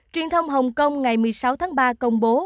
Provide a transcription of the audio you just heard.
truyền thông hồng kông ngày một mươi sáu tháng ba công bố